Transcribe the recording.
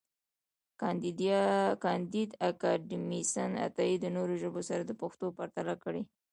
کانديد اکاډميسن عطایي د نورو ژبو سره د پښتو پرتله کړې ده.